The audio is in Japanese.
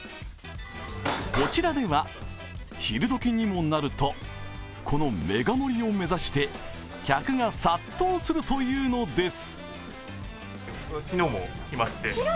こちらでは、昼どきにもなると、このメガ盛りを目指して客が殺到するというのです。